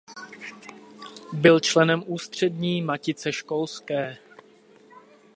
Byl členem Ústřední matice školské.